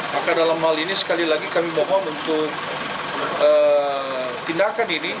maka dalam hal ini sekali lagi kami mohon untuk tindakan ini